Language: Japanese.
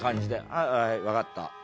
「はいはいわかった。